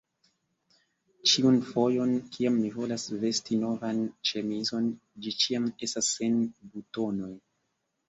ĉiun fojon, kiam mi volas vesti novan ĉemizon, ĝi ĉiam estas sen butonoj!